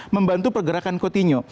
membantu pergerakan coutinho